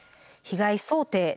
被害想定。